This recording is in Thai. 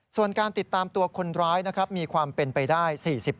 ส่วนการติดตามตัวคนร้ายนะครับมีความเป็นไปได้๔๐